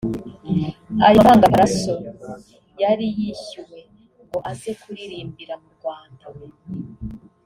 Aya mafaranga Pallaso yari yishyuwe ngo aze kuririmbira mu Rwanda